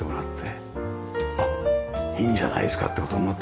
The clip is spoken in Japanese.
あっいいんじゃないですかって事になったわけだ。